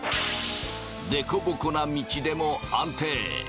凸凹な道でも安定。